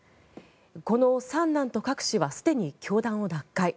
この三男とカク氏はすでに教団を脱会。